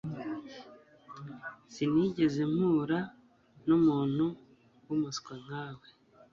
Sinigeze mpura numuntu wumuswa nkawe.